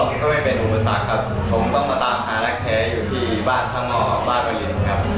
ก็ไม่เป็นอุปสรรคครับผมต้องมาตามอารักษ์แค้นอยู่ที่บ้านช่างหมอบ้านบริษฐ์ครับ